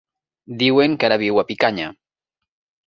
Diuen que ara viu a Picanya.